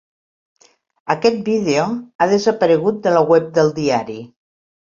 Aquest vídeo ha desaparegut de la web del diari.